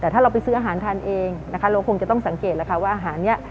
แต่ถ้าเราไปซื้ออาหารทานเองเราคงจะต้องสังเกตว่าอาหารนี้